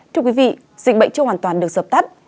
thưa quý vị dịch bệnh chưa hoàn toàn được dập tắt